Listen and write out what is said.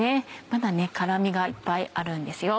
まだね辛みがいっぱいあるんですよ。